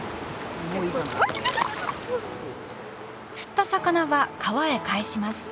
釣った魚は川へ返します。